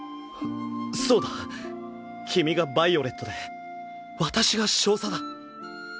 そうだ君がヴァイオレットで私が少佐だ。